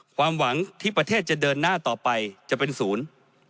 ความหวังที่ประเทศจะเดินหน้าต่อไปจะเป็นศูนย์